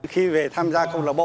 khi về tham gia câu lạc bộ